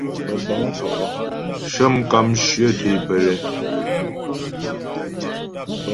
Shə́ mkàmshyə tě bə́lɛ.